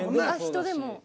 人でも。